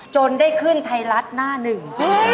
จนได้ขึ้นไทยรัฐหน้าหนึ่ง